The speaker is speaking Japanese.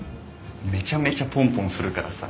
めちゃめちゃポンポンするからさ。